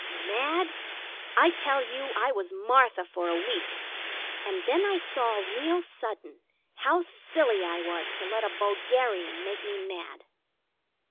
Mad? I tell you, I was Martha for a week, and then I saw, real sudden, how silly I was to let a bulgarian make me mad.